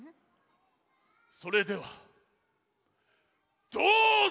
それではどうぞ！